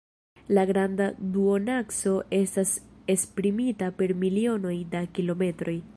La granda duonakso estas esprimita per milionoj da kilometroj.